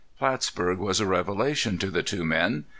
Plattsburg was a revelation to the two men.